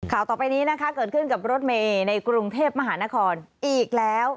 ต่อไปนี้นะคะเกิดขึ้นกับรถเมย์ในกรุงเทพมหานครอีกแล้ว